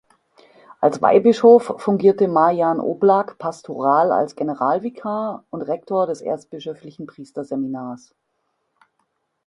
Als Weihbischof fungierte Marijan Oblak pastoral als Generalvikar und Rektor des erzbischöflichen Priesterseminars.